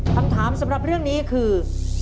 คำถามสำหรับเรื่องนี้คือ